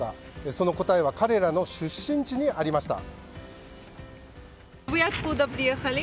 その答えは彼らの出身地にありました。